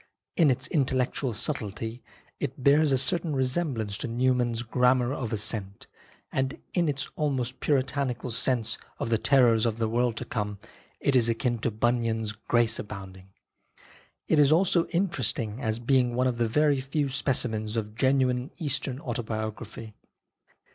In its intellectual subtlety it bears a certain resemblance to Newman's Grammar of Assent, and in its almost Puritanical sense of the terrors of the world to come, it is akin to Bunyan's Grace Abounding. It is also interesting as being one of the very few specimens of genuine Eastern autobiography.